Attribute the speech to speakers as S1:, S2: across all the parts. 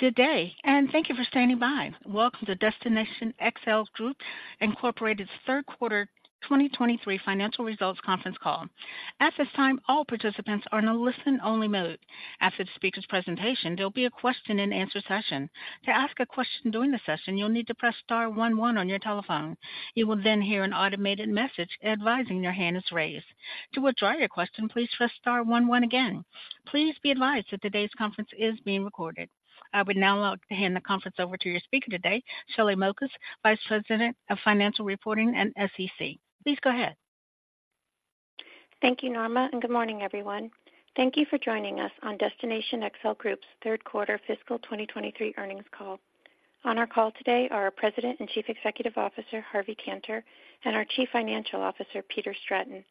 S1: Good day, and thank you for standing by. Welcome to Destination XL Group Incorporated's third quarter 2023 financial results conference call. At this time, all participants are in a listen-only mode. After the speaker's presentation, there'll be a question-and-answer session. To ask a question during the session, you'll need to press star one one on your telephone. You will then hear an automated message advising your hand is raised. To withdraw your question, please press star one one again. Please be advised that today's conference is being recorded. I would now like to hand the conference over to your speaker today, Shelly Mokas, Vice President of Financial Reporting and SEC. Please go ahead.
S2: Thank you, Norma, and good morning, everyone. Thank you for joining us on Destination XL Group's third quarter fiscal 2023 earnings call. On our call today are our President and Chief Executive Officer, Harvey Kanter, and our Chief Financial Officer, Peter Stratton.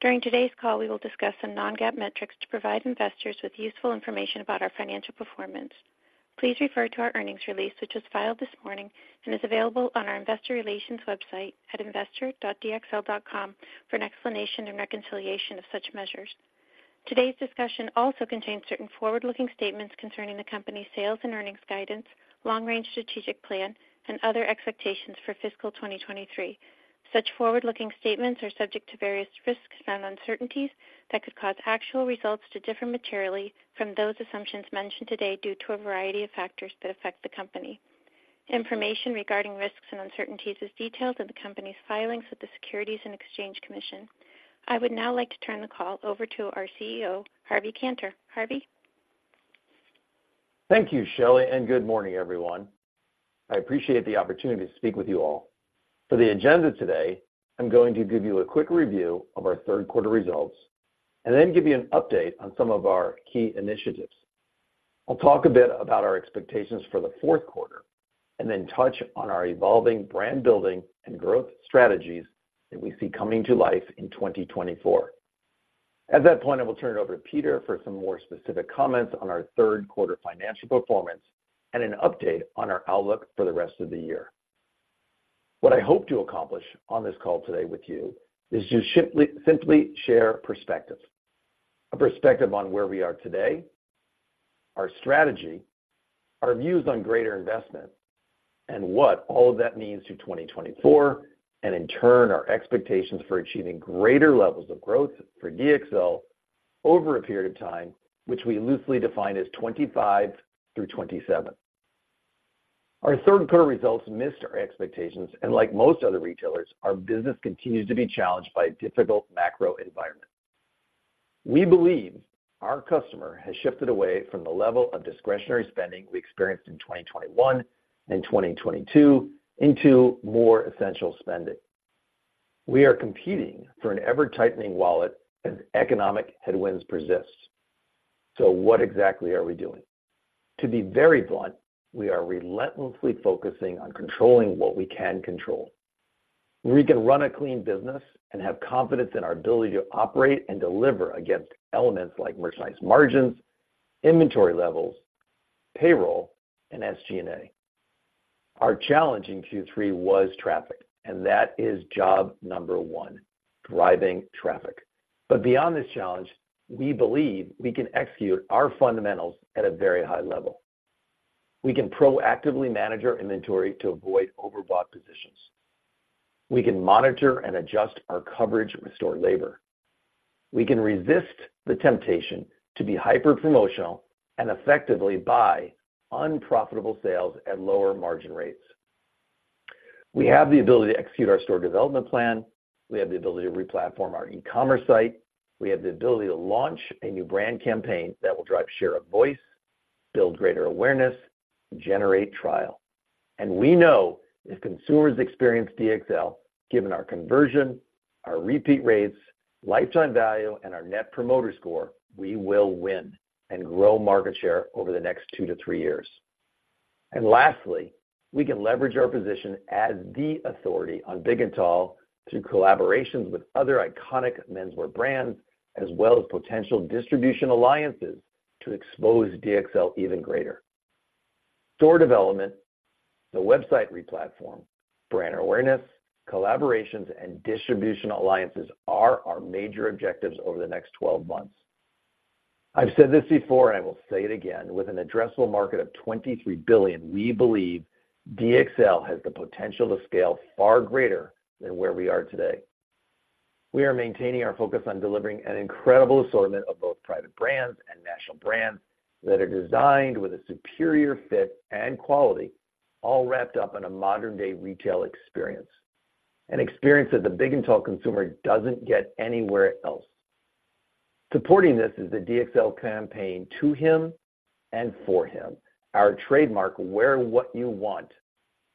S2: During today's call, we will discuss some non-GAAP metrics to provide investors with useful information about our financial performance. Please refer to our earnings release, which was filed this morning and is available on our investor relations website at investor.dxl.com for an explanation and reconciliation of such measures. Today's discussion also contains certain forward-looking statements concerning the company's sales and earnings guidance, long-range strategic plan, and other expectations for fiscal 2023. Such forward-looking statements are subject to various risks and uncertainties that could cause actual results to differ materially from those assumptions mentioned today due to a variety of factors that affect the company. Information regarding risks and uncertainties is detailed in the Company's filings with the Securities and Exchange Commission. I would now like to turn the call over to our CEO, Harvey Kanter. Harvey?
S3: Thank you, Shelly, and good morning, everyone. I appreciate the opportunity to speak with you all. For the agenda today, I'm going to give you a quick review of our third quarter results and then give you an update on some of our key initiatives. I'll talk a bit about our expectations for the fourth quarter and then touch on our evolving brand building and growth strategies that we see coming to life in 2024. At that point, I will turn it over to Peter for some more specific comments on our third quarter financial performance and an update on our outlook for the rest of the year. What I hope to accomplish on this call today with you is to simply, simply share perspective. A perspective on where we are today, our strategy, our views on greater investment, and what all of that means to 2024, and in turn, our expectations for achieving greater levels of growth for DXL over a period of time, which we loosely define as 2025 through 2027. Our third quarter results missed our expectations, and like most other retailers, our business continues to be challenged by a difficult macro environment. We believe our customer has shifted away from the level of discretionary spending we experienced in 2021 and 2022 into more essential spending. We are competing for an ever-tightening wallet as economic headwinds persist. So what exactly are we doing? To be very blunt, we are relentlessly focusing on controlling what we can control. We can run a clean business and have confidence in our ability to operate and deliver against elements like merchandise margins, inventory levels, payroll, and SG&A. Our challenge in Q3 was traffic, and that is job number one, driving traffic. But beyond this challenge, we believe we can execute our fundamentals at a very high level. We can proactively manage our inventory to avoid overbought positions. We can monitor and adjust our coverage with store labor. We can resist the temptation to be hyper promotional and effectively buy unprofitable sales at lower margin rates. We have the ability to execute our store development plan. We have the ability to re-platform our e-commerce site. We have the ability to launch a new brand campaign that will drive share of voice, build greater awareness, generate trial. We know if consumers experience DXL, given our conversion, our repeat rates, lifetime value, and our net promoter score, we will win and grow market share over the next two to three years. And lastly, we can leverage our position as the authority on big and tall through collaborations with other iconic menswear brands, as well as potential distribution alliances to expose DXL even greater. Store development, the website replatform, brand awareness, collaborations, and distribution alliances are our major objectives over the next 12 months. I've said this before, and I will say it again: with an addressable market of $23 billion, we believe DXL has the potential to scale far greater than where we are today. We are maintaining our focus on delivering an incredible assortment of both private brands and national brands that are designed with a superior fit and quality, all wrapped up in a modern-day retail experience, an experience that the big and tall consumer doesn't get anywhere else. Supporting this is the DXL campaign to him and for him. Our trademark, Wear What You Want,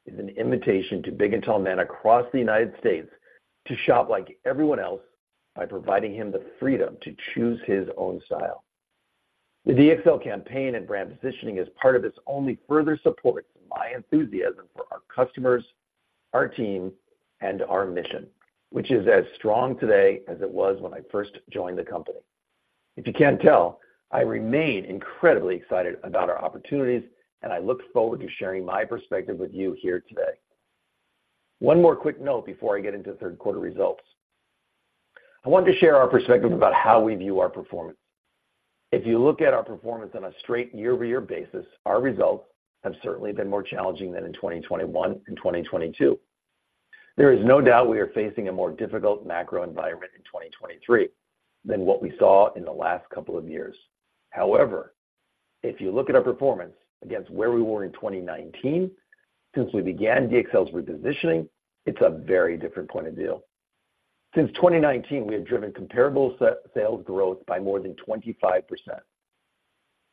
S3: is an invitation to big and tall men across the United States to shop like everyone else by providing him the freedom to choose his own style. The DXL campaign and brand positioning is part of this only further supports my enthusiasm for our customers, our team, and our mission, which is as strong today as it was when I first joined the company. If you can't tell, I remain incredibly excited about our opportunities, and I look forward to sharing my perspective with you here today. One more quick note before I get into third quarter results. I want to share our perspective about how we view our performance. If you look at our performance on a straight year-over-year basis, our results have certainly been more challenging than in 2021 and 2022. There is no doubt we are facing a more difficult macro environment in 2023 than what we saw in the last couple of years. However, if you look at our performance against where we were in 2019, since we began DXL's repositioning, it's a very different point of view. Since 2019, we have driven comparable sales growth by more than 25%.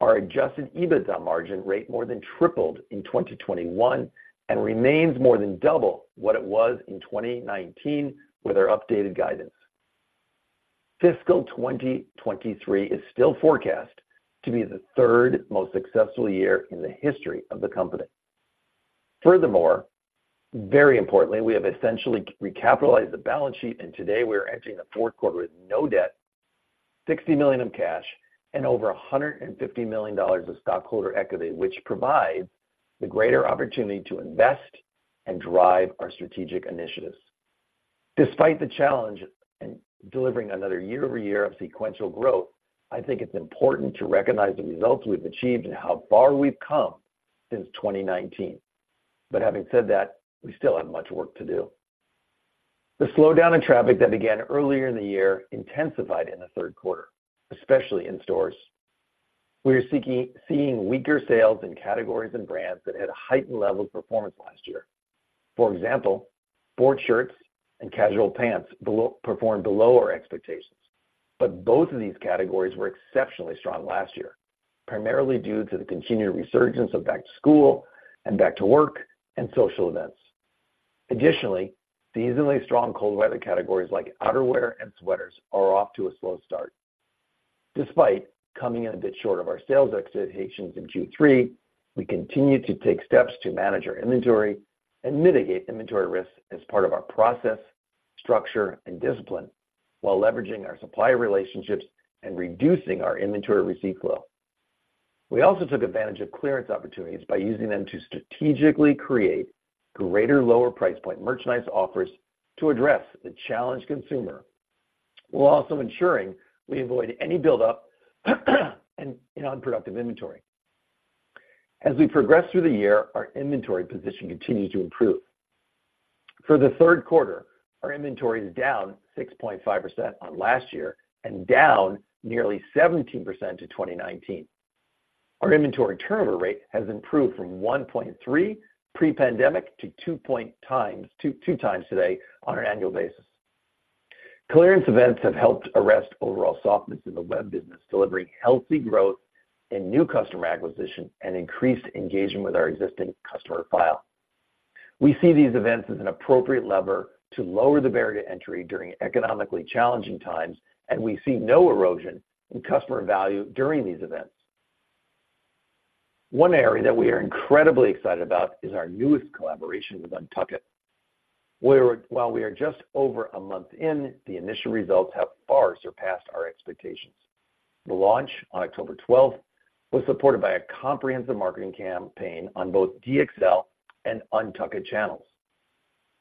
S3: Our Adjusted EBITDA margin rate more than tripled in 2021, and remains more than double what it was in 2019 with our updated guidance. Fiscal 2023 is still forecast to be the third most successful year in the history of the company. Furthermore, very importantly, we have essentially recapitalized the balance sheet, and today we are entering the fourth quarter with no debt, $60 million of cash, and over $150 million of stockholder equity, which provides the greater opportunity to invest and drive our strategic initiatives. Despite the challenge in delivering another year-over-year of sequential growth, I think it's important to recognize the results we've achieved and how far we've come since 2019. But having said that, we still have much work to do. The slowdown in traffic that began earlier in the year intensified in the third quarter, especially in stores. We are seeing weaker sales in categories and brands that had heightened levels of performance last year. For example, sport shirts and casual pants performed below our expectations. But both of these categories were exceptionally strong last year, primarily due to the continued resurgence of back to school and back to work and social events. Additionally, seasonally strong cold weather categories like outerwear and sweaters are off to a slow start. Despite coming in a bit short of our sales expectations in Q3, we continue to take steps to manage our inventory and mitigate inventory risks as part of our process, structure, and discipline, while leveraging our supplier relationships and reducing our inventory receipt flow. We also took advantage of clearance opportunities by using them to strategically create greater, lower price point merchandise offers to address the challenged consumer, while also ensuring we avoid any buildup in unproductive inventory. As we progress through the year, our inventory position continues to improve. For the third quarter, our inventory is down 6.5% on last year and down nearly 17% to 2019. Our inventory turnover rate has improved from 1.3 pre-pandemic to 2x today on an annual basis. Clearance events have helped arrest overall softness in the web business, delivering healthy growth and new customer acquisition, and increased engagement with our existing customer file. We see these events as an appropriate lever to lower the barrier to entry during economically challenging times, and we see no erosion in customer value during these events. One area that we are incredibly excited about is our newest collaboration with UNTUCKit, where while we are just over a month in, the initial results have far surpassed our expectations. The launch on October 12th was supported by a comprehensive marketing campaign on both DXL and UNTUCKit channels.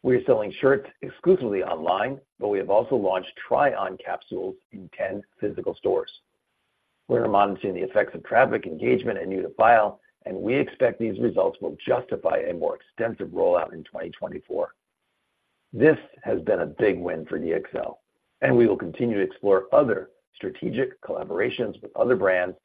S3: We are selling shirts exclusively online, but we have also launched try on capsules in 10 physical stores. We are monitoring the effects of traffic engagement and new to file, and we expect these results will justify a more extensive rollout in 2024. This has been a big win for DXL, and we will continue to explore other strategic collaborations with other brands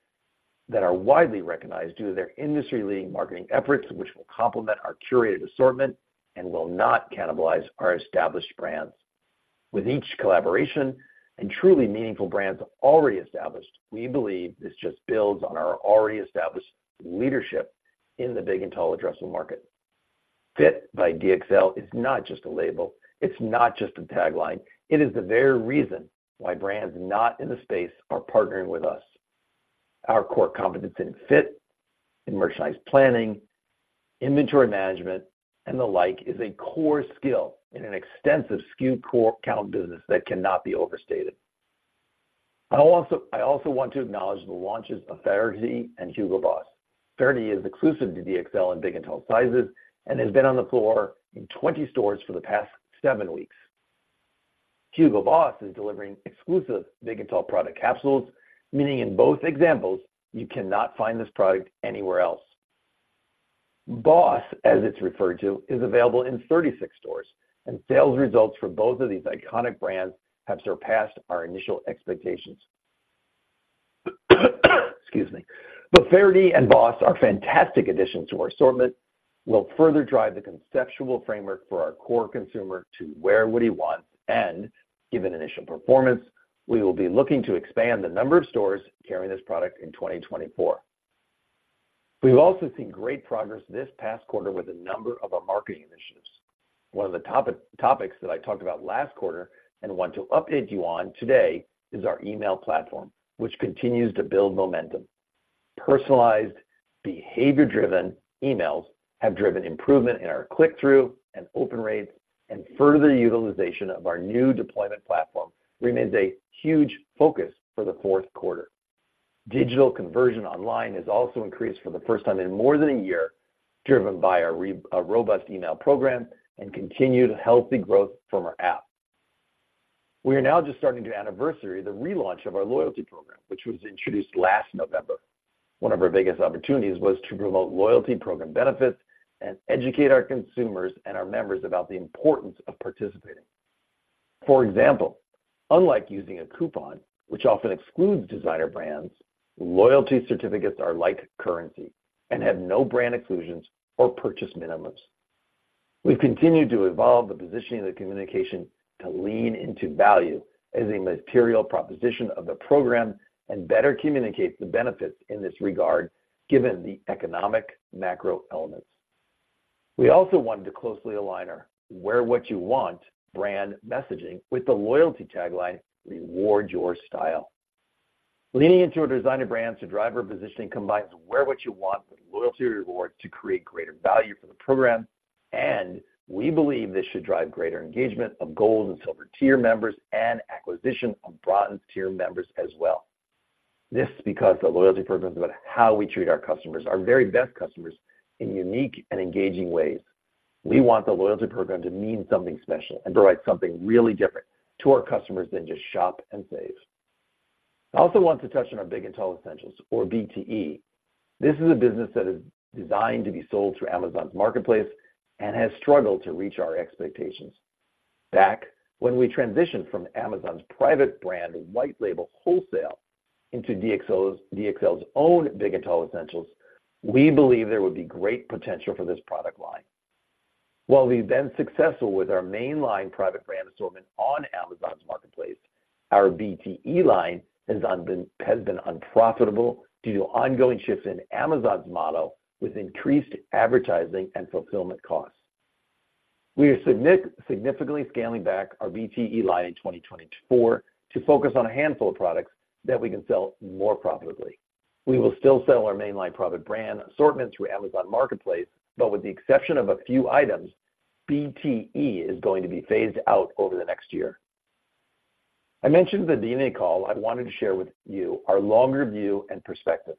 S3: that are widely recognized due to their industry-leading marketing efforts, which will complement our curated assortment and will not cannibalize our established brands. With each collaboration and truly meaningful brands already established, we believe this just builds on our already established leadership in the big and tall addressable market. Fit by DXL is not just a label, it's not just a tagline. It is the very reason why brands not in the space are partnering with us. Our core competence in fit, in merchandise planning, inventory management, and the like, is a core skill in an extensive SKU count business that cannot be overstated. I also, I also want to acknowledge the launches of Faherty and Hugo Boss. Faherty is exclusive to DXL in big and tall sizes and has been on the floor in 20 stores for the past seven weeks. Hugo Boss is delivering exclusive big and tall product capsules, meaning in both examples, you cannot find this product anywhere else. Boss, as it's referred to, is available in 36 stores, and sales results for both of these iconic brands have surpassed our initial expectations. Excuse me. But Faherty and Boss are fantastic additions to our assortment, will further drive the conceptual framework for our core consumer to wear what he wants, and given initial performance, we will be looking to expand the number of stores carrying this product in 2024. We've also seen great progress this past quarter with a number of our marketing initiatives. One of the topics that I talked about last quarter and want to update you on today is our email platform, which continues to build momentum. Personalized, behavior-driven emails have driven improvement in our click-through and open rates, and further utilization of our new deployment platform remains a huge focus for the fourth quarter. Digital conversion online has also increased for the first time in more than a year, driven by our robust email program and continued healthy growth from our app. We are now just starting to anniversary the relaunch of our loyalty program, which was introduced last November. One of our biggest opportunities was to promote loyalty program benefits and educate our consumers and our members about the importance of participating. For example, unlike using a coupon, which often excludes designer brands, loyalty certificates are like currency and have no brand exclusions or purchase minimums. We've continued to evolve the positioning of the communication to lean into value as a material proposition of the program and better communicate the benefits in this regard, given the economic macro elements. We also wanted to closely align our Wear What You Want brand messaging with the loyalty tagline, "Reward Your Style." Leaning into our designer brands to drive our positioning combines Wear What You Want with loyalty rewards to create greater value for the program, and we believe this should drive greater engagement of Gold and Silver tier members and acquisition of Bronze tier members as well. This is because the loyalty program is about how we treat our customers, our very best customers, in unique and engaging ways. We want the loyalty program to mean something special and provide something really different to our customers than just shop and save. I also want to touch on our Big & Tall Essentials, or BTE. This is a business that is designed to be sold through Amazon's Marketplace and has struggled to reach our expectations. Back when we transitioned from Amazon's private brand, white label wholesale, into DXL's, DXL's own Big & Tall Essentials, we believe there would be great potential for this product line. While we've been successful with our mainline private brand assortment on Amazon's Marketplace, our BTE line has been unprofitable due to ongoing shifts in Amazon's model with increased advertising and fulfillment costs. We are significantly scaling back our BTE line in 2024 to focus on a handful of products that we can sell more profitably. We will still sell our mainline private brand assortment through Amazon Marketplace, but with the exception of a few items, BTE is going to be phased out over the next year. I mentioned in the DNA call, I wanted to share with you our longer view and perspective.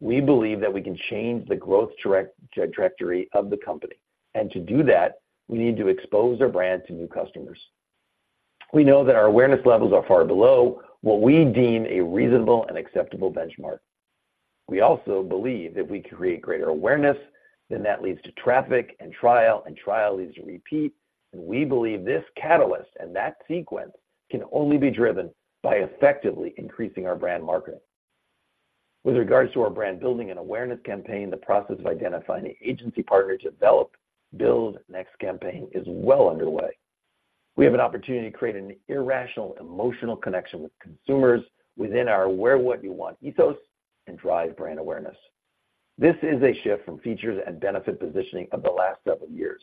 S3: We believe that we can change the growth trajectory of the company, and to do that, we need to expose our brand to new customers. We know that our awareness levels are far below what we deem a reasonable and acceptable benchmark. We also believe that if we create greater awareness, then that leads to traffic and trial, and trial leads to repeat. We believe this catalyst and that sequence can only be driven by effectively increasing our brand marketing. With regards to our brand building and awareness campaign, the process of identifying an agency partner to develop, build, next campaign is well underway. We have an opportunity to create an irrational, emotional connection with consumers within our Wear What You Want ethos and drive brand awareness. This is a shift from features and benefit positioning of the last several years.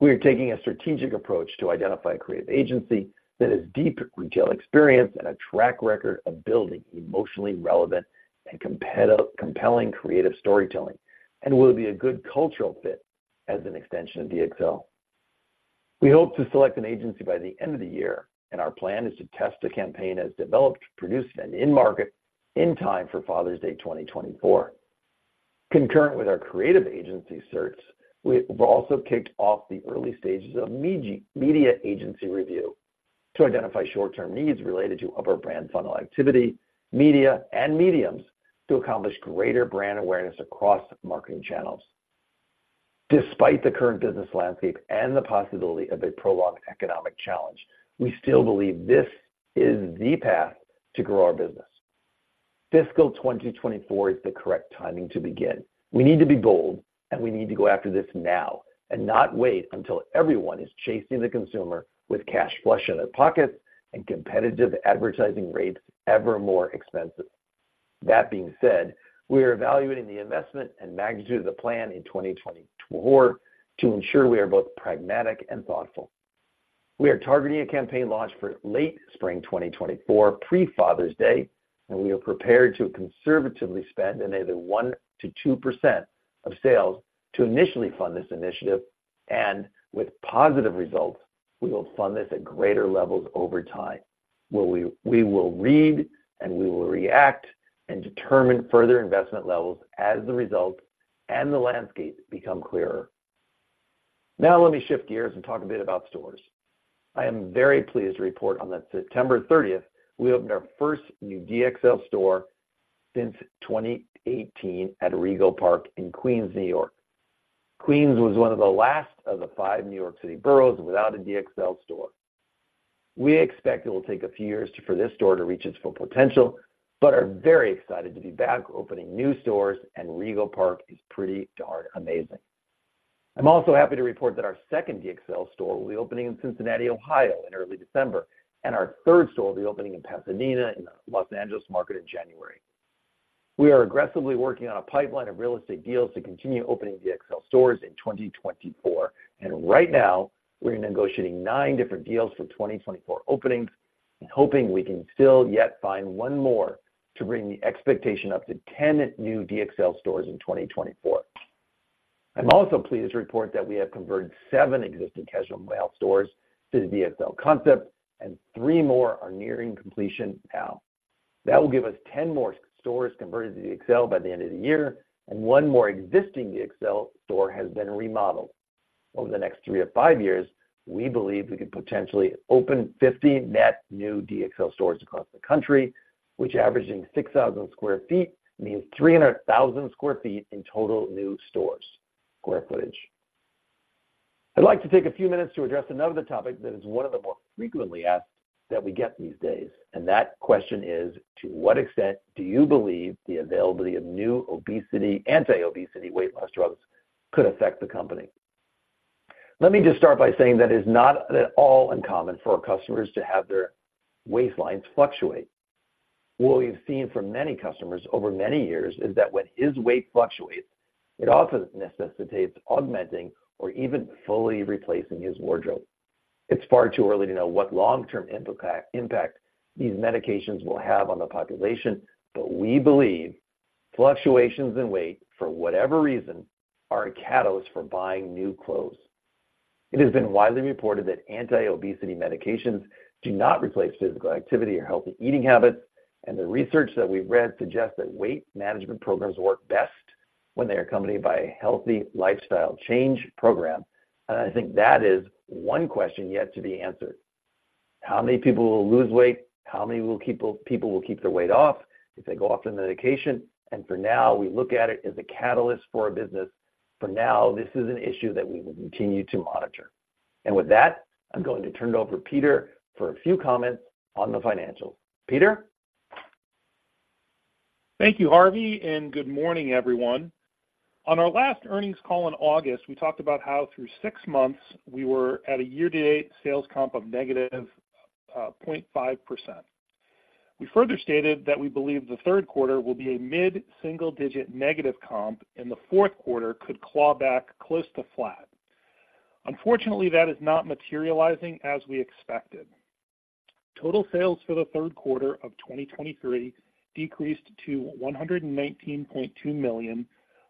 S3: We are taking a strategic approach to identify a creative agency that has deep retail experience and a track record of building emotionally relevant and compelling creative storytelling, and will be a good cultural fit as an extension of DXL. We hope to select an agency by the end of the year, and our plan is to test the campaign as developed, produced, and in market in time for Father's Day 2024. Concurrent with our creative agency search, we've also kicked off the early stages of media agency review to identify short-term needs related to upper brand funnel activity, media, and mediums to accomplish greater brand awareness across marketing channels. Despite the current business landscape and the possibility of a prolonged economic challenge, we still believe this is the path to grow our business. Fiscal 2024 is the correct timing to begin. We need to be bold, and we need to go after this now, and not wait until everyone is chasing the consumer with cash flush in their pockets and competitive advertising rates ever more expensive. That being said, we are evaluating the investment and magnitude of the plan in 2024 to ensure we are both pragmatic and thoughtful. We are targeting a campaign launch for late spring 2024, pre Father's Day, and we are prepared to conservatively spend an either 1%-2% of sales to initially fund this initiative, and with positive results, we will fund this at greater levels over time. Where we will read and we will react and determine further investment levels as the results and the landscape become clearer. Now, let me shift gears and talk a bit about stores. I am very pleased to report on the September 30th, we opened our first new DXL store since 2018 at Rego Park in Queens, New York. Queens was one of the last of the five New York City boroughs without a DXL store. We expect it will take a few years to for this store to reach its full potential, but are very excited to be back opening new stores, and Rego Park is pretty darn amazing. I'm also happy to report that our second DXL store will be opening in Cincinnati, Ohio, in early December, and our third store will be opening in Pasadena, in the Los Angeles market, in January. We are aggressively working on a pipeline of real estate deals to continue opening DXL stores in 2024, and right now, we're negotiating nine different deals for 2024 openings and hoping we can still yet find one more to bring the expectation up to 10 new DXL stores in 2024. I'm also pleased to report that we have converted seven existing casual male stores to the DXL concept, and three more are nearing completion now. That will give us 10 more stores converted to DXL by the end of the year, and one more existing DXL store has been remodeled. Over the next three to five years, we believe we could potentially open 50 net new DXL stores across the country, which, averaging 6,000 sq ft, means 300,000 sq ft in total new stores square footage. I'd like to take a few minutes to address another topic that is one of the more frequently asked that we get these days, and that question is: To what extent do you believe the availability of new obesity anti-obesity weight loss drugs could affect the company? Let me just start by saying that it's not at all uncommon for our customers to have their waistlines fluctuate. What we've seen from many customers over many years is that when his weight fluctuates, it often necessitates augmenting or even fully replacing his wardrobe. It's far too early to know what long-term impact these medications will have on the population. But we believe fluctuations in weight, for whatever reason, are a catalyst for buying new clothes. It has been widely reported that anti-obesity medications do not replace physical activity or healthy eating habits, and the research that we've read suggests that weight management programs work best when they are accompanied by a healthy lifestyle change program. I think that is one question yet to be answered. How many people will lose weight? How many people will keep their weight off if they go off the medication? For now, we look at it as a catalyst for our business. For now, this is an issue that we will continue to monitor. With that, I'm going to turn it over to Peter for a few comments on the financials. Peter?
S4: Thank you, Harvey, and good morning, everyone. On our last earnings call in August, we talked about how through six months, we were at a year-to-date sales comp of -0.5%. We further stated that we believe the third quarter will be a mid-single-digit negative comp, and the fourth quarter could claw back close to flat. Unfortunately, that is not materializing as we expected. Total sales for the third quarter of 2023 decreased to $119.2 million,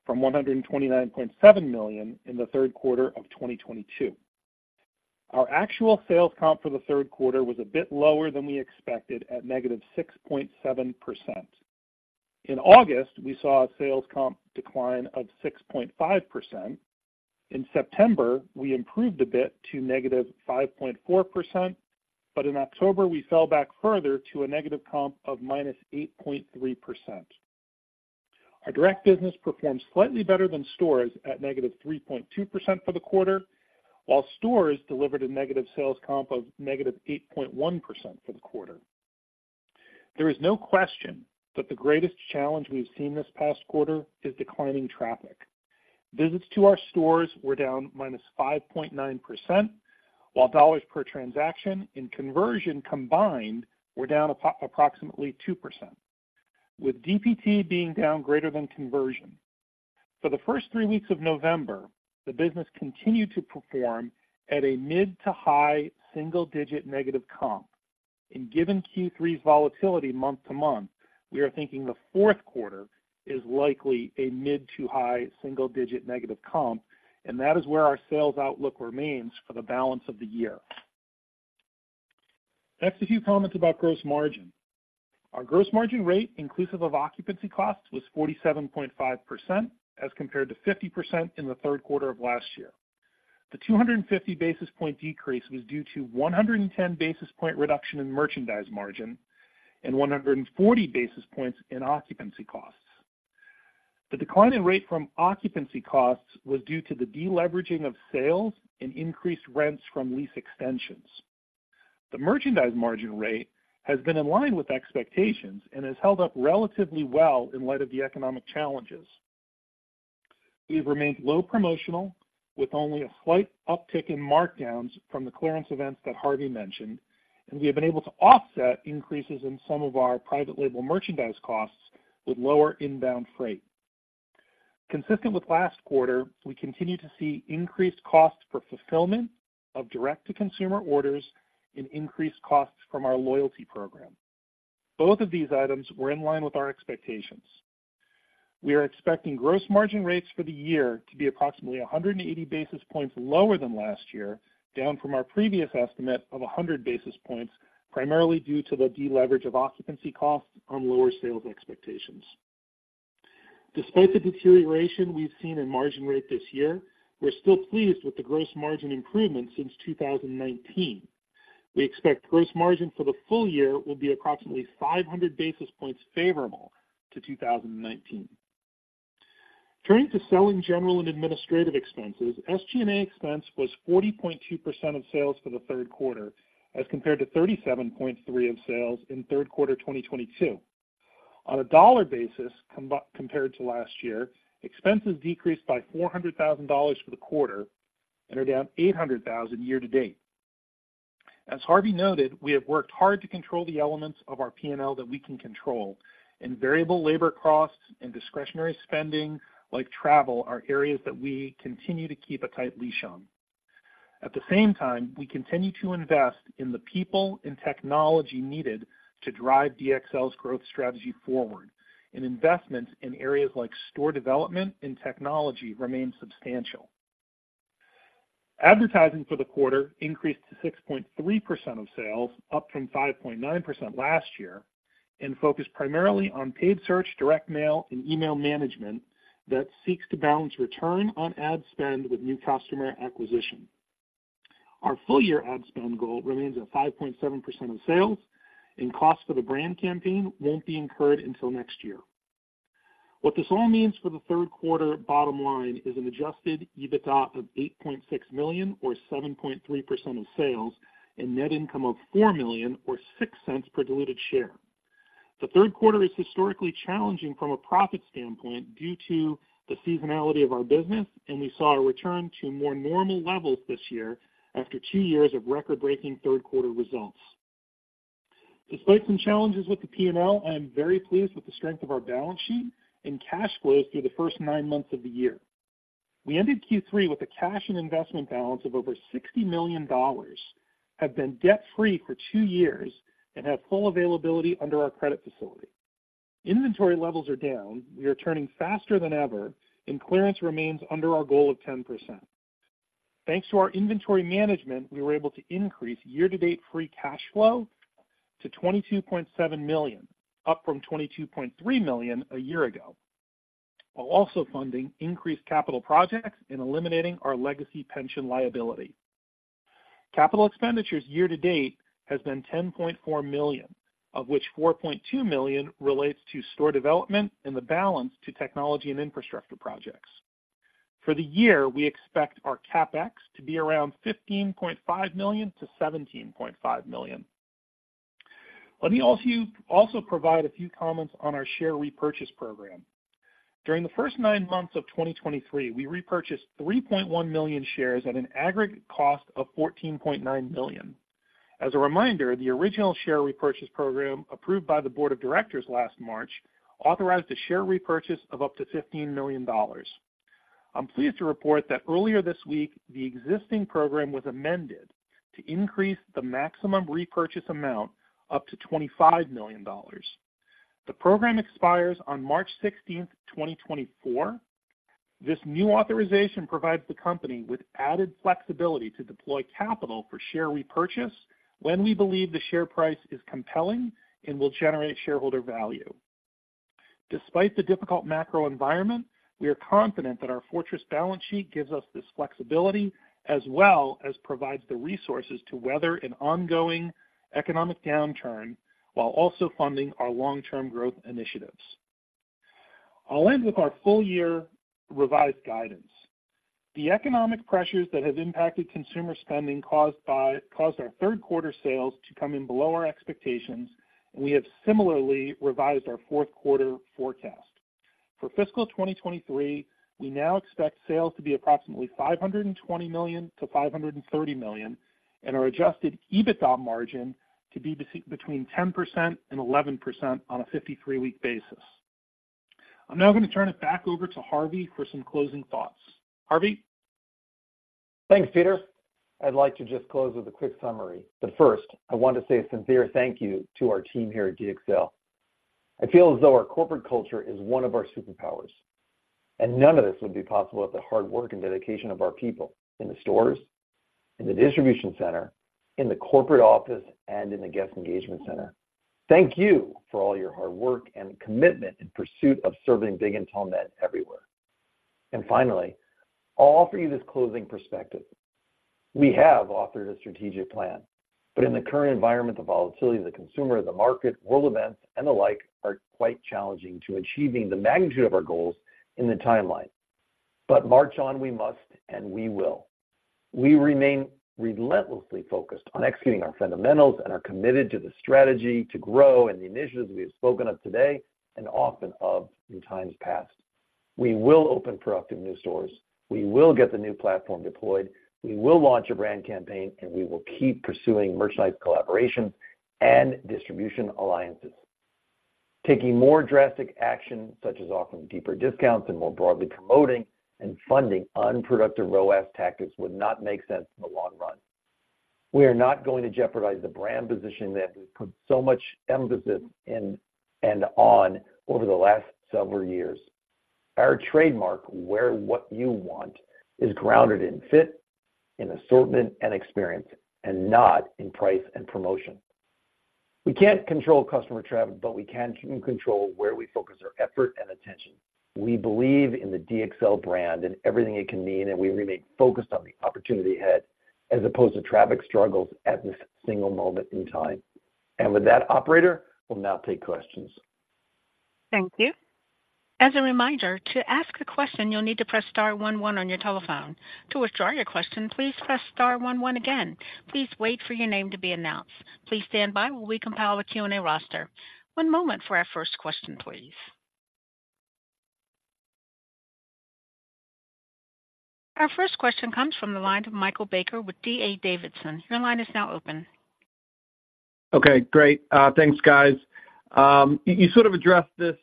S4: from $129.7 million in the third quarter of 2022. Our actual sales comp for the third quarter was a bit lower than we expected, at -6.7%. In August, we saw a sales comp decline of 6.5%. In September, we improved a bit to -5.4%, but in October, we fell back further to a negative comp of -8.3%. Our direct business performed slightly better than stores, at -3.2% for the quarter, while stores delivered a negative sales comp of -8.1% for the quarter. There is no question that the greatest challenge we've seen this past quarter is declining traffic. Visits to our stores were down -5.9%, while dollars per transaction and conversion combined were down approximately 2%, with DPT being down greater than conversion. For the first three weeks of November, the business continued to perform at a mid- to high-single-digit negative comp, and given Q3's volatility month-to-month, we are thinking the fourth quarter is likely a mid- to high-single-digit negative comp, and that is where our sales outlook remains for the balance of the year. Next, a few comments about gross margin. Our gross margin rate, inclusive of occupancy costs, was 47.5%, as compared to 50% in the third quarter of last year. The 250 basis point decrease was due to 110 basis point reduction in merchandise margin and 140 basis points in occupancy costs. The decline in rate from occupancy costs was due to the deleveraging of sales and increased rents from lease extensions. The merchandise margin rate has been in line with expectations and has held up relatively well in light of the economic challenges. We have remained low promotional, with only a slight uptick in markdowns from the clearance events that Harvey mentioned, and we have been able to offset increases in some of our private label merchandise costs with lower inbound freight. Consistent with last quarter, we continue to see increased costs for fulfillment of direct-to-consumer orders and increased costs from our loyalty program. Both of these items were in line with our expectations. We are expecting gross margin rates for the year to be approximately 180 basis points lower than last year, down from our previous estimate of 100 basis points, primarily due to the deleverage of occupancy costs on lower sales expectations. Despite the deterioration we've seen in margin rate this year, we're still pleased with the gross margin improvement since 2019. We expect gross margin for the full year will be approximately 500 basis points favorable to 2019. Turning to selling, general and administrative expenses, SG&A expense was 40.2% of sales for the third quarter, as compared to 37.3% in sales in third quarter 2022. On a dollar basis, compared to last year, expenses decreased by $400,000 for the quarter and are down $800,000 year to date. As Harvey noted, we have worked hard to control the elements of our P&L that we can control, and variable labor costs and discretionary spending, like travel, are areas that we continue to keep a tight leash on. At the same time, we continue to invest in the people and technology needed to drive DXL's growth strategy forward, and investments in areas like store development and technology remain substantial. Advertising for the quarter increased to 6.3% of sales, up from 5.9% last year, and focused primarily on paid search, direct mail, and email management that seeks to balance return on ad spend with new customer acquisition. Our full year ad spend goal remains at 5.7% of sales, and costs for the brand campaign won't be incurred until next year. What this all means for the third quarter bottom line is an Adjusted EBITDA of $8.6 million, or 7.3% of sales, and net income of $4 million, or $0.06 per diluted share. The third quarter is historically challenging from a profit standpoint due to the seasonality of our business, and we saw a return to more normal levels this year after two years of record-breaking third quarter results. Despite some challenges with the P&L, I am very pleased with the strength of our balance sheet and cash flows through the first nine months of the year. We ended Q3 with a cash and investment balance of over $60 million, have been debt free for two years, and have full availability under our credit facility. Inventory levels are down, we are turning faster than ever, and clearance remains under our goal of 10%. Thanks to our inventory management, we were able to increase year-to-date free cash flow to $22.7 million, up from $22.3 million a year ago, while also funding increased capital projects and eliminating our legacy pension liability. Capital expenditures year to date has been $10.4 million, of which $4.2 million relates to store development and the balance to technology and infrastructure projects. For the year, we expect our CapEx to be around $15.5 million-$17.5 million. Let me also provide a few comments on our share repurchase program. During the first nine months of 2023, we repurchased 3.1 million shares at an aggregate cost of $14.9 million. As a reminder, the original share repurchase program, approved by the board of directors last March, authorized a share repurchase of up to $15 million. I'm pleased to report that earlier this week, the existing program was amended to increase the maximum repurchase amount up to $25 million. The program expires on March 16th, 2024. This new authorization provides the company with added flexibility to deploy capital for share repurchase when we believe the share price is compelling and will generate shareholder value. Despite the difficult macro environment, we are confident that our fortress balance sheet gives us this flexibility, as well as provides the resources to weather an ongoing economic downturn while also funding our long-term growth initiatives. I'll end with our full year revised guidance. The economic pressures that have impacted consumer spending caused our third quarter sales to come in below our expectations, and we have similarly revised our fourth quarter forecast. For fiscal 2023, we now expect sales to be approximately $520 million-$530 million, and our Adjusted EBITDA margin to be between 10% and 11% on a 53-week basis. I'm now going to turn it back over to Harvey for some closing thoughts. Harvey?
S3: Thanks, Peter. I'd like to just close with a quick summary, but first, I want to say a sincere thank you to our team here at DXL. I feel as though our corporate culture is one of our superpowers, and none of this would be possible without the hard work and dedication of our people in the stores, in the distribution center, in the corporate office, and in the guest engagement center. Thank you for all your hard work and commitment in pursuit of serving big and tall men everywhere. Finally, I'll offer you this closing perspective. We have authored a strategic plan, but in the current environment, the volatility of the consumer, the market, world events, and the like, are quite challenging to achieving the magnitude of our goals in the timeline. March on, we must, and we will. We remain relentlessly focused on executing our fundamentals and are committed to the strategy to grow and the initiatives we have spoken of today and often of in times past. We will open productive new stores, we will get the new platform deployed, we will launch a brand campaign, and we will keep pursuing merchandise collaborations and distribution alliances. Taking more drastic action, such as offering deeper discounts and more broadly promoting and funding unproductive ROAS tactics, would not make sense in the long run. We are not going to jeopardize the brand positioning that we've put so much emphasis in and on over the last several years. Our trademark, Wear What You Want, is grounded in fit, in assortment, and experience, and not in price and promotion. We can't control customer traffic, but we can control where we focus our effort and attention. We believe in the DXL brand and everything it can mean, and we remain focused on the opportunity ahead as opposed to traffic struggles at this single moment in time. With that, operator, we'll now take questions.
S1: Thank you. As a reminder, to ask a question, you'll need to press star one one on your telephone. To withdraw your question, please press star one one again. Please wait for your name to be announced. Please stand by while we compile a Q&A roster. One moment for our first question, please. Our first question comes from the line of Michael Baker with D.A. Davidson. Your line is now open....
S5: Okay, great. Thanks, guys. You sort of addressed this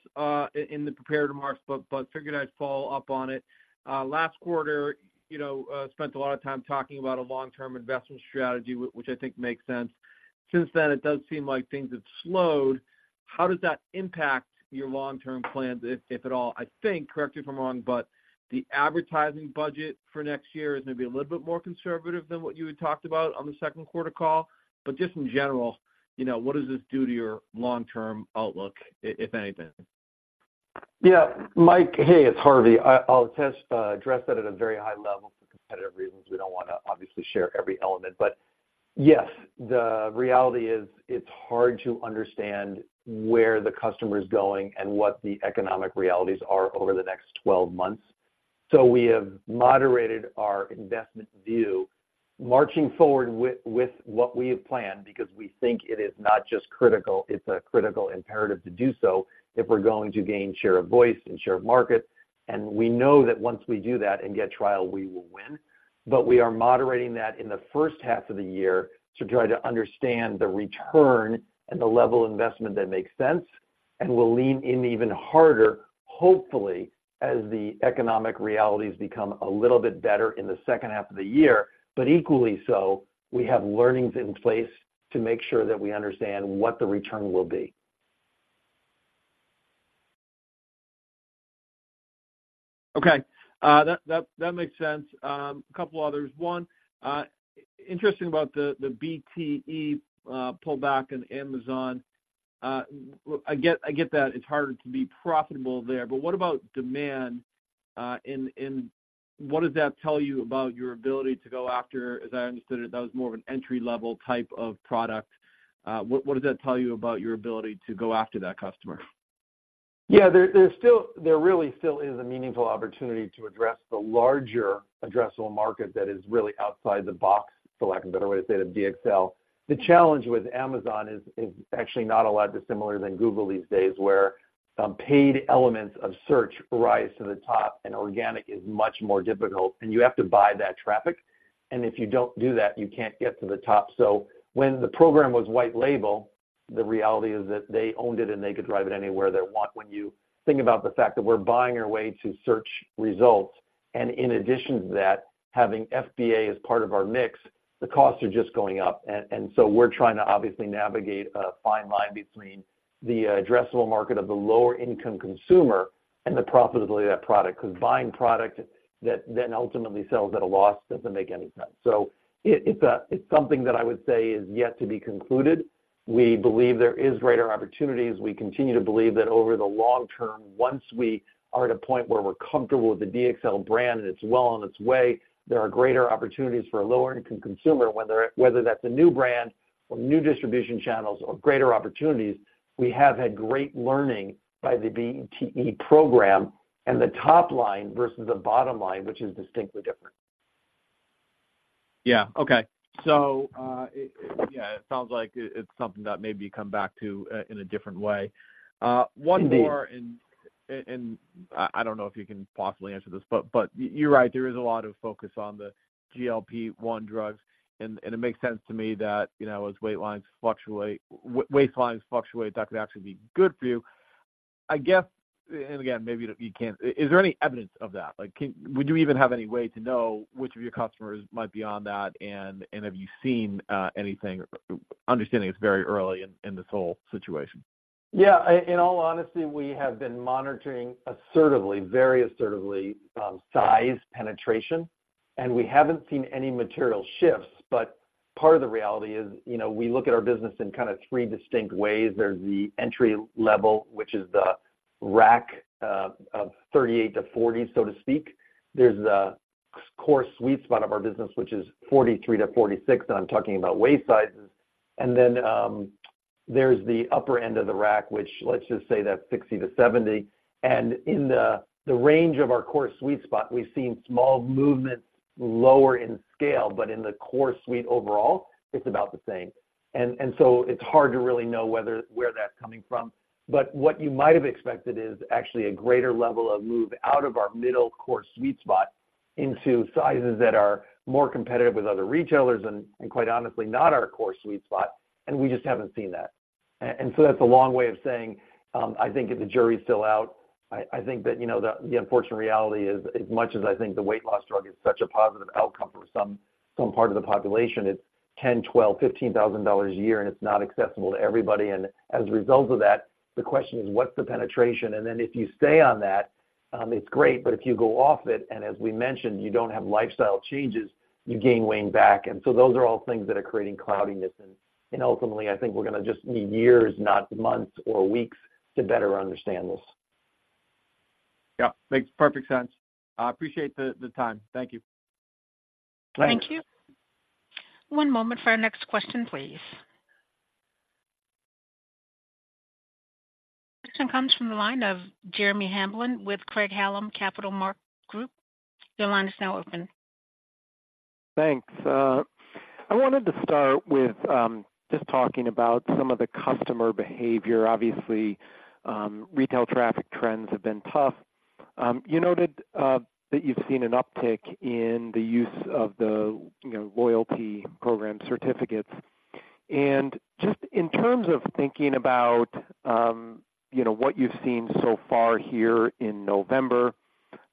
S5: in the prepared remarks, but figured I'd follow up on it. Last quarter, you know, spent a lot of time talking about a long-term investment strategy, which I think makes sense. Since then, it does seem like things have slowed. How does that impact your long-term plans, if at all? I think, correct me if I'm wrong, but the advertising budget for next year is maybe a little bit more conservative than what you had talked about on the second quarter call. But just in general, you know, what does this do to your long-term outlook, if anything?
S3: Yeah, Mike. Hey, it's Harvey. I'll just address that at a very high level for competitive reasons. We don't wanna obviously share every element, but yes, the reality is, it's hard to understand where the customer is going and what the economic realities are over the next 12 months. So we have moderated our investment view, marching forward with what we have planned, because we think it is not just critical, it's a critical imperative to do so if we're going to gain share of voice and share of market. And we know that once we do that and get trial, we will win. But we are moderating that in the first half of the year to try to understand the return and the level of investment that makes sense, and we'll lean in even harder, hopefully, as the economic realities become a little bit better in the second half of the year. But equally so, we have learnings in place to make sure that we understand what the return will be.
S5: Okay, that makes sense. A couple others. One interesting about the BTE pullback in Amazon. I get that it's harder to be profitable there, but what about demand? And what does that tell you about your ability to go after... As I understood it, that was more of an entry-level type of product. What does that tell you about your ability to go after that customer?
S3: Yeah, there's still—there really still is a meaningful opportunity to address the larger addressable market that is really outside the box, for lack of a better way to say, the DXL. The challenge with Amazon is actually not a lot dissimilar than Google these days, where paid elements of search rise to the top and organic is much more difficult, and you have to buy that traffic, and if you don't do that, you can't get to the top. So when the program was white label, the reality is that they owned it, and they could drive it anywhere they want. When you think about the fact that we're buying our way to search results, and in addition to that, having FBA as part of our mix, the costs are just going up. So we're trying to obviously navigate a fine line between the addressable market of the lower-income consumer and the profitability of that product, because buying product that then ultimately sells at a loss doesn't make any sense. So it's something that I would say is yet to be concluded. We believe there is greater opportunities. We continue to believe that over the long term, once we are at a point where we're comfortable with the DXL brand and it's well on its way, there are greater opportunities for a lower-income consumer, whether that's a new brand or new distribution channels or greater opportunities. We have had great learning by the BTE program and the top line versus the bottom line, which is distinctly different.
S5: Yeah. Okay. So, yeah, it sounds like it's something that maybe you come back to in a different way. One more-
S3: Indeed.
S5: I don't know if you can possibly answer this, but you're right, there is a lot of focus on the GLP-1 drugs, and it makes sense to me that, you know, as waistlines fluctuate, that could actually be good for you. I guess, and again, maybe you can't, is there any evidence of that? Like, would you even have any way to know which of your customers might be on that, and have you seen anything, understanding it's very early in this whole situation?
S3: Yeah, in, in all honesty, we have been monitoring assertively, very assertively, size penetration, and we haven't seen any material shifts. But part of the reality is, you know, we look at our business in kind of three distinct ways. There's the entry level, which is the rack, of 38-40, so to speak. There's the core sweet spot of our business, which is 43-46, and I'm talking about waist sizes. And then, there's the upper end of the rack, which, let's just say that's 60-70. And in the, the range of our core sweet spot, we've seen small movements lower in scale, but in the core suite overall, it's about the same. And, and so it's hard to really know whether, where that's coming from. But what you might have expected is actually a greater level of move out of our middle core sweet spot into sizes that are more competitive with other retailers and, quite honestly, not our core sweet spot, and we just haven't seen that. So that's a long way of saying, I think the jury's still out. I think that, you know, the unfortunate reality is, as much as I think the weight loss drug is such a positive outcome for some part of the population, it's $10,000, $12,000, $15,000 a year, and it's not accessible to everybody. As a result of that, the question is, what's the penetration? Then if you stay on that, it's great, but if you go off it, and as we mentioned, you don't have lifestyle changes, you gain weight back. And so those are all things that are creating cloudiness. And, and ultimately, I think we're gonna just need years, not months or weeks, to better understand this.
S5: Yeah, makes perfect sense. I appreciate the time. Thank you.
S3: Thank you.
S1: Thank you. One moment for our next question, please. Next comes from the line of Jeremy Hamblin with Craig-Hallum Capital Group. Your line is now open.
S6: Thanks. I wanted to start with just talking about some of the customer behavior. Obviously, retail traffic trends have been tough. You noted that you've seen an uptick in the use of the, you know, loyalty program certificates. And just in terms of thinking about, you know, what you've seen so far here in November,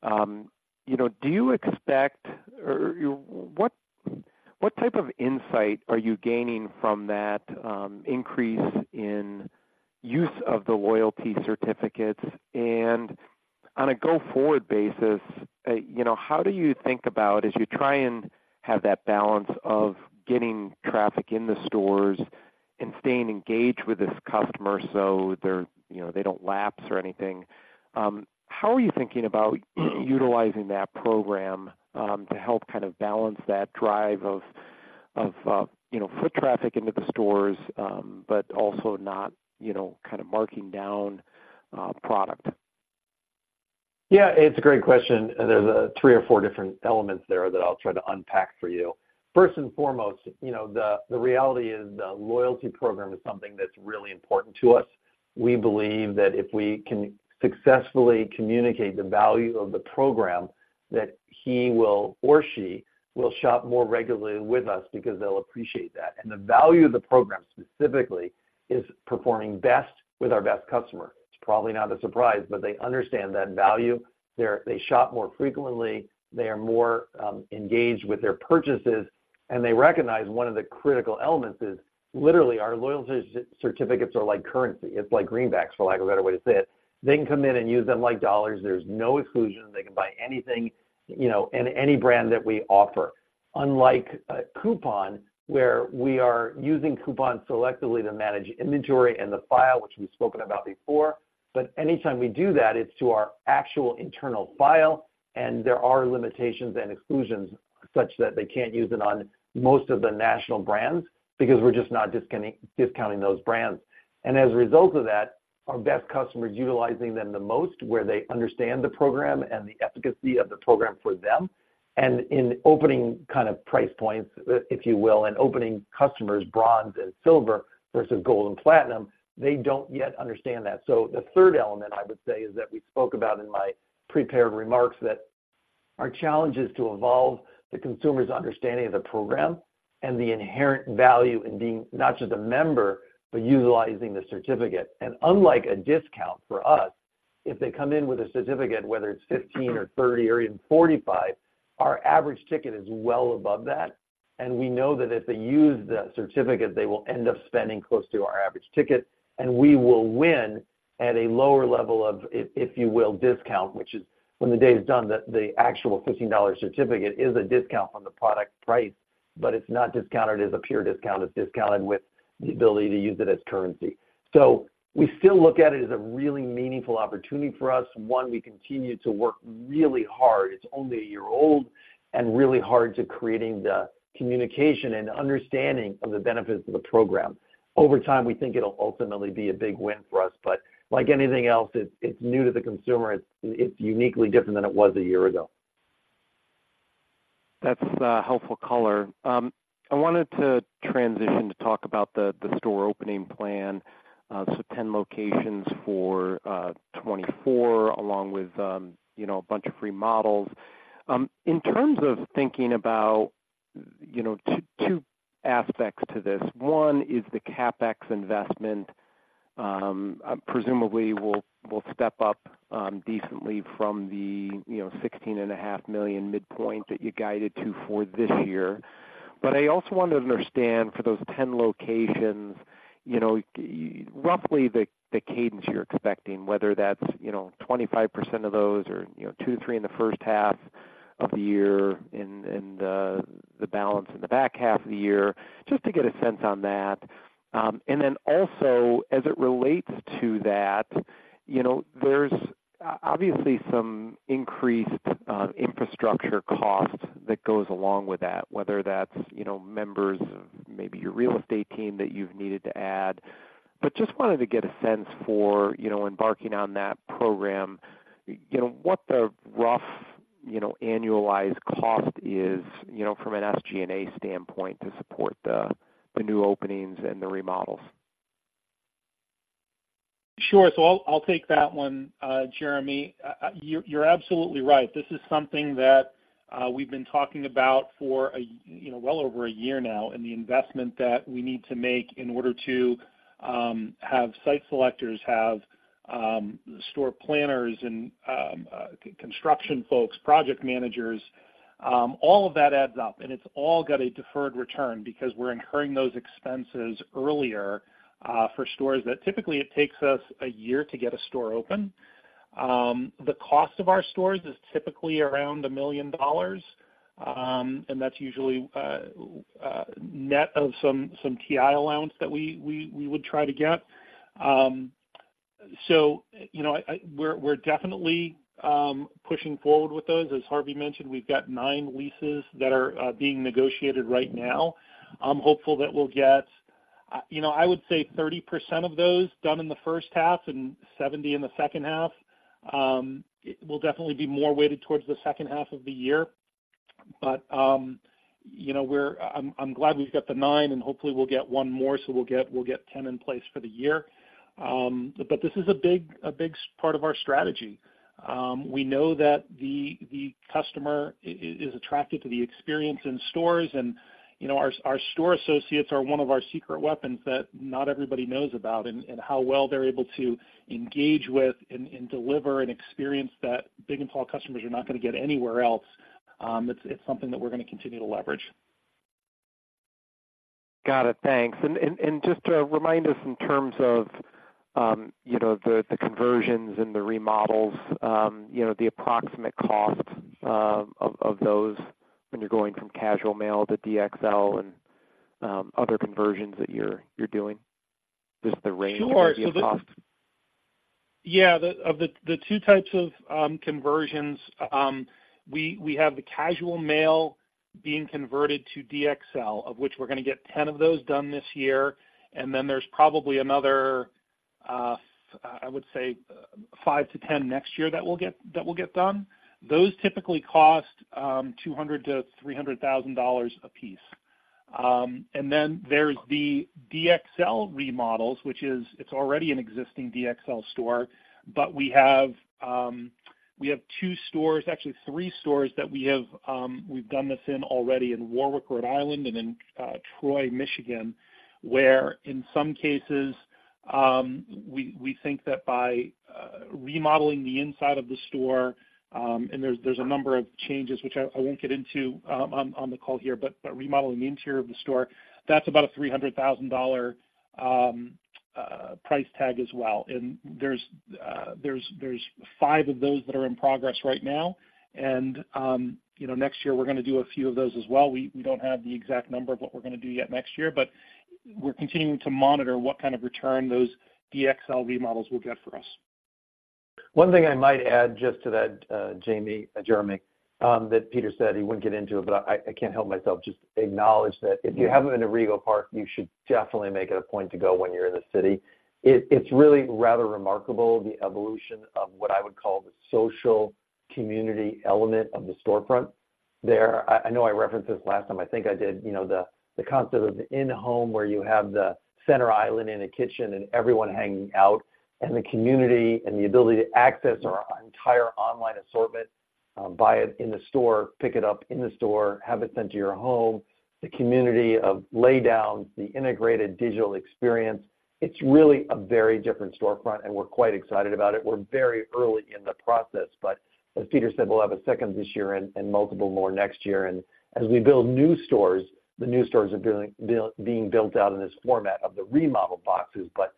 S6: you know, do you expect or you-- what, what type of insight are you gaining from that increase in use of the loyalty certificates? On a go-forward basis, you know, how do you think about as you try and have that balance of getting traffic in the stores and staying engaged with this customer so they're, you know, they don't lapse or anything, how are you thinking about utilizing that program, to help kind of balance that drive of, you know, foot traffic into the stores, but also not, you know, kind of marking down, product?
S3: Yeah, it's a great question, and there's three or four different elements there that I'll try to unpack for you. First and foremost, you know, the reality is the loyalty program is something that's really important to us. We believe that if we can successfully communicate the value of the program, that he will or she will shop more regularly with us because they'll appreciate that. And the value of the program specifically is performing best with our best customer. It's probably not a surprise, but they understand that value. They shop more frequently, they are more engaged with their purchases, and they recognize one of the critical elements is literally our loyalty certificates are like currency. It's like greenbacks, for lack of a better way to say it. They can come in and use them like dollars. There's no exclusion. They can buy anything, you know, and any brand that we offer. Unlike a coupon, where we are using coupons selectively to manage inventory and the file, which we've spoken about before, but anytime we do that, it's to our actual internal file, and there are limitations and exclusions such that they can't use it on most of the national brands because we're just not discounting those brands. And as a result of that, our best customers utilizing them the most, where they understand the program and the efficacy of the program for them, and in opening kind of price points, if you will, and opening customers, bronze and silver versus gold and Platinum, they don't yet understand that. So the third element I would say is that we spoke about in my prepared remarks, that our challenge is to evolve the consumer's understanding of the program and the inherent value in being not just a member, but utilizing the certificate. And unlike a discount for us, if they come in with a certificate, whether it's 15 or 30 or even 45, our average ticket is well above that, and we know that if they use the certificate, they will end up spending close to our average ticket, and we will win at a lower level of, if you will, discount, which is when the day is done, the actual $15 certificate is a discount on the product price, but it's not discounted as a pure discount. It's discounted with the ability to use it as currency. So we still look at it as a really meaningful opportunity for us. One, we continue to work really hard. It's only a year old and really hard to creating the communication and understanding of the benefits of the program. Over time, we think it'll ultimately be a big win for us, but like anything else, it's, it's new to the consumer. It's, it's uniquely different than it was a year ago.
S6: That's helpful color. I wanted to transition to talk about the store opening plan. So 10 locations for 2024, along with you know, a bunch of remodels. In terms of thinking about you know, two two aspects to this, one is the CapEx investment, presumably will step up decently from the you know, $16.5 million midpoint that you guided to for this year. But I also wanted to understand for those 10 locations, you know, roughly the cadence you're expecting, whether that's you know, 25% of those or you know, two to three in the first half of the year and the balance in the back half of the year, just to get a sense on that. And then also, as it relates to that, you know, there's obviously some increased infrastructure cost that goes along with that, whether that's, you know, members of maybe your real estate team that you've needed to add. But just wanted to get a sense for, you know, embarking on that program, you know, what the rough, you know, annualized cost is, you know, from an SG&A standpoint to support the new openings and the remodels.
S4: Sure. So I'll, I'll take that one, Jeremy. You're, you're absolutely right. This is something that we've been talking about for a, you know, well over a year now, and the investment that we need to make in order to have site selectors, have store planners and construction folks, project managers, all of that adds up, and it's all got a deferred return because we're incurring those expenses earlier for stores that typically it takes us a year to get a store open. The cost of our stores is typically around $1 million, and that's usually net of some TI allowance that we would try to get. So, you know, I, I, we're, we're definitely pushing forward with those. As Harvey mentioned, we've got nine leases that are being negotiated right now. I'm hopeful that we'll get, you know, I would say 30% of those done in the first half and 70% in the second half. It will definitely be more weighted towards the second half of the year. But you know, I'm glad we've got the nine, and hopefully we'll get one more, so we'll get 10 in place for the year. But this is a big part of our strategy. We know that the customer is attracted to the experience in stores, and, you know, our store associates are one of our secret weapons that not everybody knows about and how well they're able to engage with and deliver an experience that Big and Tall customers are not gonna get anywhere else. It's something that we're gonna continue to leverage.
S6: Got it. Thanks. And just to remind us in terms of, you know, the conversions and the remodels, you know, the approximate cost of those when you're going from Casual Male to DXL and other conversions that you're doing, just the range of the cost?
S4: Sure. So the two types of conversions, we have the Casual Male being converted to DXL, of which we're gonna get 10 of those done this year. And then there's probably another, I would say five to 10 next year that we'll get, that will get done. Those typically cost $200,000-$300,000 apiece. And then there's the DXL remodels, which is, it's already an existing DXL store, but we have, we have two stores, actually three stores that we have, we've done this in already in Warwick, Rhode Island, and in, Troy, Michigan, where in some cases, we, we think that by, remodeling the inside of the store, and there's, there's a number of changes which I, I won't get into, on, on the call here, but, but remodeling the interior of the store, that's about a $300,000 price tag as well. And there's, there's, there's five of those that are in progress right now, and, you know, next year, we're gonna do a few of those as well. We don't have the exact number of what we're gonna do yet next year, but we're continuing to monitor what kind of return those DXL remodels will get for us.
S3: One thing I might add just to that, Jeremy, that Peter said he wouldn't get into, but I can't help myself just acknowledge that if you haven't been to Rego Park, you should definitely make it a point to go when you're in the city. It's really rather remarkable, the evolution of what I would call the social community element of the storefront there. I know I referenced this last time. I think I did, you know, the concept of the in-home, where you have the center island in a kitchen and everyone hanging out, and the community and the ability to access our entire online assortment, buy it in the store, pick it up in the store, have it sent to your home, the community of laydowns, the integrated digital experience. It's really a very different storefront, and we're quite excited about it. We're very early in the process, but as Peter said, we'll have a second this year and multiple more next year. And as we build new stores, the new stores are being built out in this format of the remodel boxes, but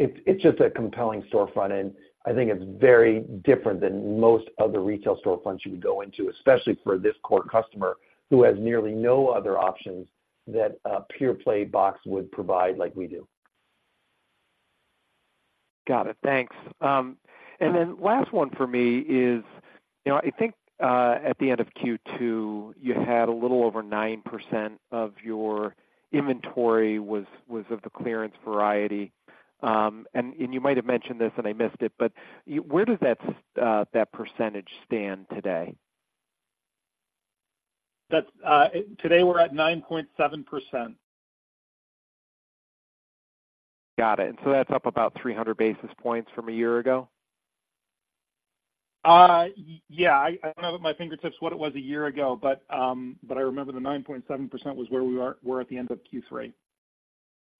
S3: it's just a compelling storefront, and I think it's very different than most other retail storefronts you would go into, especially for this core customer, who has nearly no other options that a pure play box would provide like we do.
S6: Got it. Thanks. And then last one for me is, you know, I think, at the end of Q2, you had a little over 9% of your inventory was of the clearance variety. And you might have mentioned this, and I missed it, but where does that percentage stand today?
S4: That's today, we're at 9.7%.
S6: Got it. And so that's up about 300 basis points from a year ago?
S4: Yeah. I don't have at my fingertips what it was a year ago, but I remember the 9.7% was where we were at the end of Q3.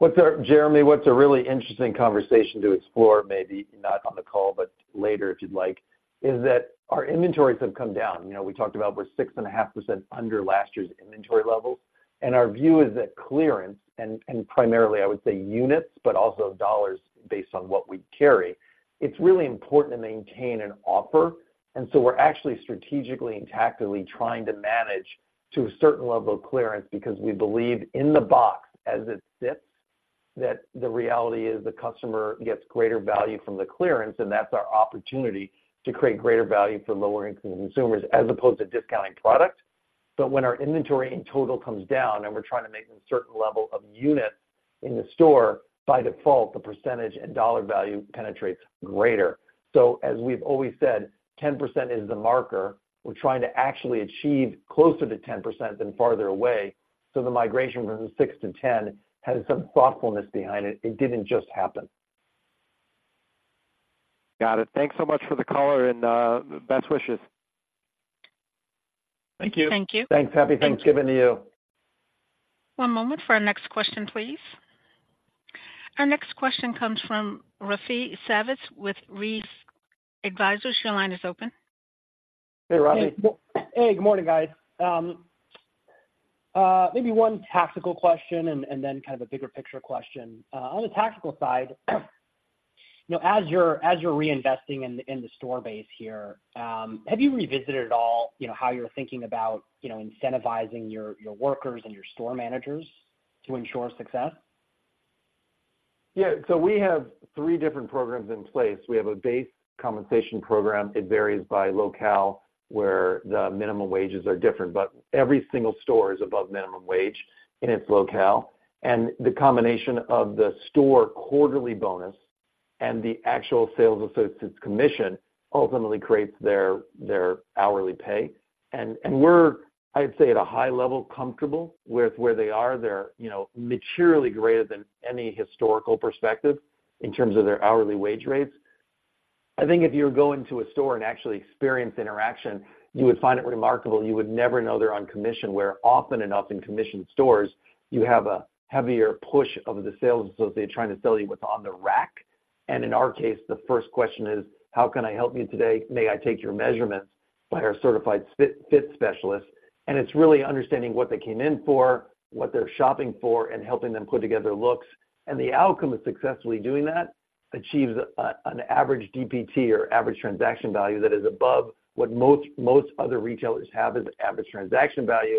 S3: What's, Jeremy, what's a really interesting conversation to explore, maybe not on the call, but later, if you'd like, is that our inventories have come down. You know, we talked about we're 6.5% under last year's inventory levels, and our view is that clearance and primarily, I would say, units, but also dollars, based on what we carry, it's really important to maintain an offer. And so we're actually strategically and tactically trying to manage to a certain level of clearance because we believe in the box as it sits, that the reality is the customer gets greater value from the clearance, and that's our opportunity to create greater value for lower-income consumers, as opposed to discounting product. But when our inventory in total comes down and we're trying to make a certain level of units in the store, by default, the percentage and dollar value penetrates greater. So as we've always said, 10% is the marker. We're trying to actually achieve closer to 10% than farther away. So the migration from 6%-10% has some thoughtfulness behind it. It didn't just happen.
S6: Got it. Thanks so much for the call and, best wishes.
S4: Thank you.
S1: Thank you.
S3: Thanks. Happy Thanksgiving to you.
S1: One moment for our next question, please. Our next question comes from Rafi Savitz with Rees Advisors. Your line is open.
S3: Hey, Rafi.
S7: Hey, good morning, guys. Maybe one tactical question and then kind of a bigger picture question. On the tactical side, you know, as you're reinvesting in the store base here, have you revisited at all, you know, how you're thinking about, you know, incentivizing your workers and your store managers to ensure success?
S3: Yeah, so we have three different programs in place. We have a base compensation program. It varies by locale, where the minimum wages are different, but every single store is above minimum wage in its locale. The combination of the store quarterly bonus and the actual sales associate's commission ultimately creates their hourly pay. We're, I'd say, at a high level, comfortable with where they are. They're, you know, materially greater than any historical perspective in terms of their hourly wage rates. I think if you were to go into a store and actually experience interaction, you would find it remarkable. You would never know they're on commission, where often enough in commission stores, you have a heavier push of the sales associate trying to sell you what's on the rack. In our case, the first question is: how can I help you today? May I take your measurements by our certified fit specialist? It's really understanding what they came in for, what they're shopping for, and helping them put together looks. The outcome of successfully doing that achieves an average DPT or average transaction value that is above what most other retailers have as average transaction value.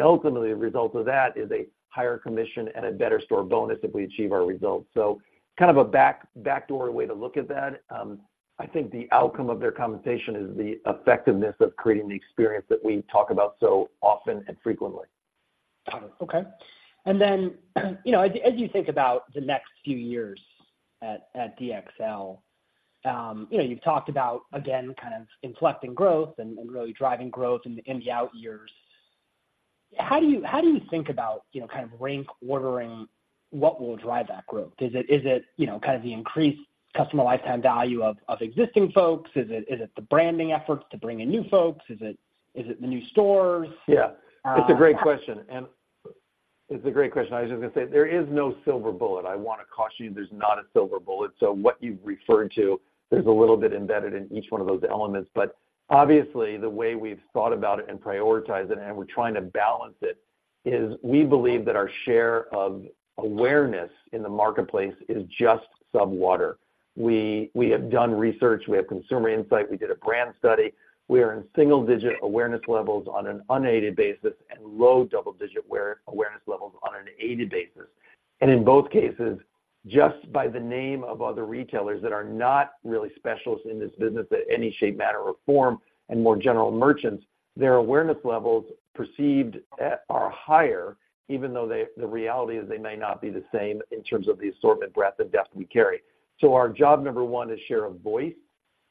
S3: Ultimately, the result of that is a higher commission and a better store bonus if we achieve our results. So kind of a backdoor way to look at that. I think the outcome of their compensation is the effectiveness of creating the experience that we talk about so often and frequently.
S7: Got it. Okay. And then, you know, as you think about the next few years at DXL, you know, you've talked about, again, kind of inflecting growth and really driving growth in the out years. How do you think about, you know, kind of rank ordering what will drive that growth? Is it, you know, kind of the increased customer lifetime value of existing folks? Is it the branding efforts to bring in new folks? Is it the new stores?
S3: Yeah.
S7: Uh-
S3: It's a great question, and... It's a great question. I was just gonna say, there is no silver bullet. I wanna caution you, there's not a silver bullet. So what you've referred to, there's a little bit embedded in each one of those elements. But obviously, the way we've thought about it and prioritized it, and we're trying to balance it, is we believe that our share of awareness in the marketplace is just some water. We have done research, we have consumer insight, we did a brand study. We are in single-digit awareness levels on an unaided basis and low double-digit awareness levels on an aided basis. In both cases, just by the name of other retailers that are not really specialists in this business in any shape, manner, or form, and more general merchants, their awareness levels perceived are higher, even though the reality is they may not be the same in terms of the assortment, breadth, and depth we carry. So our job number one is share of voice,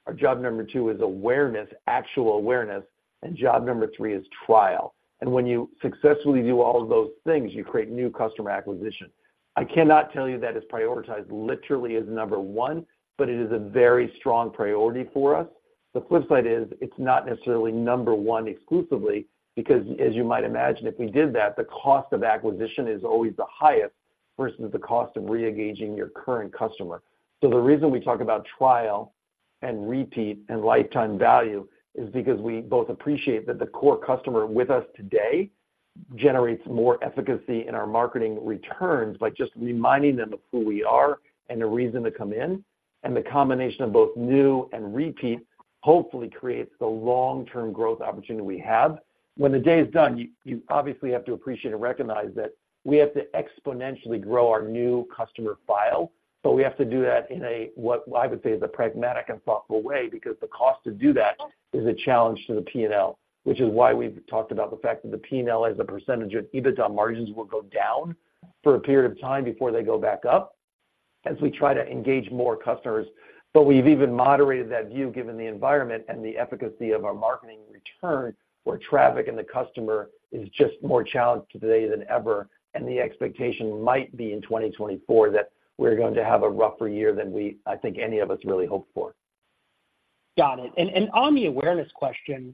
S3: our job number two is awareness, actual awareness, and job number three is trial. And when you successfully do all of those things, you create new customer acquisition. I cannot tell you that it's prioritized literally as number one, but it is a very strong priority for us. The flip side is, it's not necessarily number one exclusively, because as you might imagine, if we did that, the cost of acquisition is always the highest versus the cost of reengaging your current customer. The reason we talk about trial and repeat and lifetime value is because we both appreciate that the core customer with us today, generates more efficacy in our marketing returns by just reminding them of who we are and the reason to come in, and the combination of both new and repeat, hopefully creates the long-term growth opportunity we have. When the day is done, you, you obviously have to appreciate and recognize that we have to exponentially grow our new customer file, but we have to do that in a, what I would say, is a pragmatic and thoughtful way, because the cost to do that is a challenge to the P&L. Which is why we've talked about the fact that the P&L, as a percentage of EBITDA margins, will go down for a period of time before they go back up, as we try to engage more customers. But we've even moderated that view, given the environment and the efficacy of our marketing return, where traffic and the customer is just more challenged today than ever, and the expectation might be in 2024, that we're going to have a rougher year than we, I think, any of us really hoped for.
S7: Got it. And on the awareness question,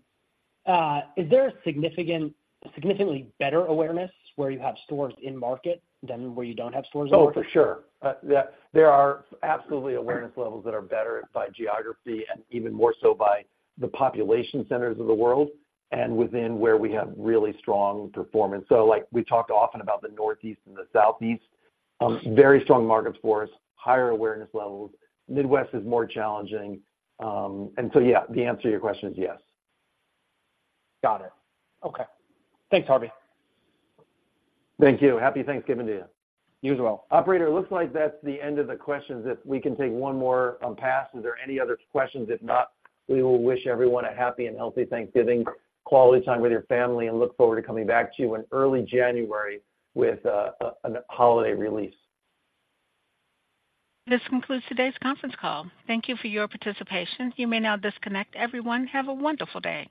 S7: is there a significantly better awareness where you have stores in market than where you don't have stores in market?
S3: Oh, for sure. Yeah, there are absolutely awareness levels that are better by geography and even more so by the population centers of the world and within where we have really strong performance. So, like, we talked often about the Northeast and the Southeast, very strong markets for us, higher awareness levels. Midwest is more challenging. And so, yeah, the answer to your question is yes.
S7: Got it. Okay. Thanks, Harvey.
S3: Thank you. Happy Thanksgiving to you.
S7: You as well.
S3: Operator, it looks like that's the end of the questions. If we can take one more and pass, is there any other questions? If not, we will wish everyone a happy and healthy Thanksgiving, quality time with your family, and look forward to coming back to you in early January with a holiday release.
S1: This concludes today's conference call. Thank you for your participation. You may now disconnect. Everyone, have a wonderful day.